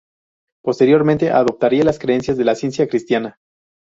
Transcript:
Posteriormente adoptaría las creencias de la ciencia cristiana.